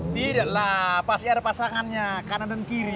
tidaklah pasti ada pasangannya kanan dan kiri